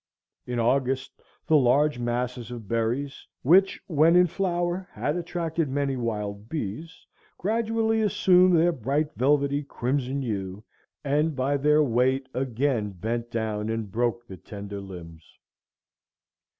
In August, the large masses of berries, which, when in flower, had attracted many wild bees, gradually assumed their bright velvety crimson hue, and by their weight again bent down and broke the tender limbs.